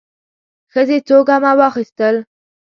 ښځې څو ګامه واخيستل.